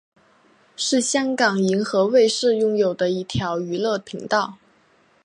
是香港银河卫视拥有的一条娱乐频道。